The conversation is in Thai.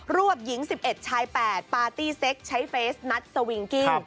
วบหญิง๑๑ชาย๘ปาร์ตี้เซ็กใช้เฟสนัดสวิงกิ้ง